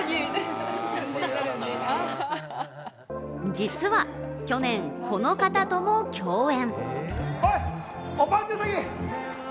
実は去年、この方とも共演。